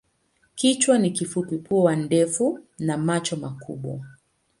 Kichwa ni kifupi, pua ndefu na macho makubwa.